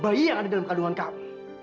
bayi yang ada dalam kandungan kami